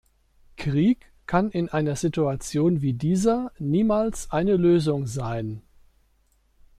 Krieg kann in einer Situation wie dieser niemals eine Lösung sein.